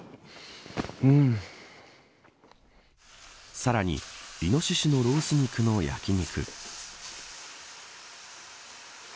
さらにイノシシのロース肉の焼き肉。